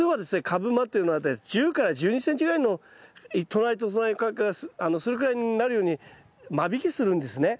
株間っていうのは１０１２ｃｍぐらいの隣と隣の間隔がそれぐらいになるように間引きするんですね。